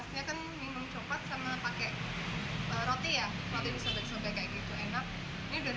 kalau segera coklatnya juga kerasa terus juga memang khasnya kan minum coklat sama pakai roti ya roti di sobat sobat kayak gitu enak